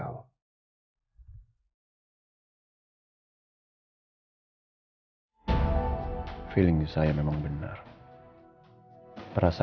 bagus berani sekali anda masuk ke kantor polisi